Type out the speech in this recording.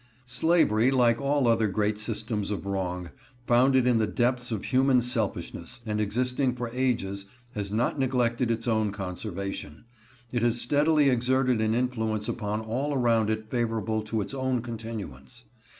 Slavery, like all other great systems of wrong, founded in the depths of human selfishness, and existing for ages, has not neglected its own conservation. It has steadily exerted an influence upon all around it favorable to its own continuance.